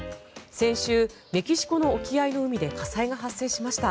先週、メキシコの沖合の海で火災が発生しました。